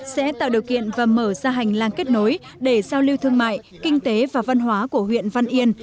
sẽ tạo điều kiện và mở ra hành lang kết nối để giao lưu thương mại kinh tế và văn hóa của huyện văn yên